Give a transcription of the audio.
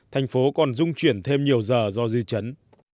thành phố còn dung chuyển thêm nhiều giờ do dư chấn